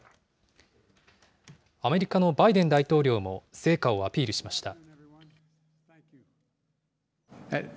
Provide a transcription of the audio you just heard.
アメリカのバイデン大統領も成果をアピールしました。